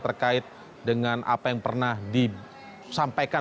terkait dengan apa yang pernah disampaikan